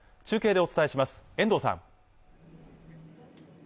中継でお伝えします遠藤さん